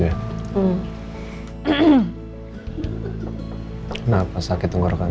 kenapa sakit tenggorokan